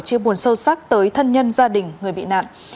chia buồn sâu sắc tới thân nhân gia đình người bị nạn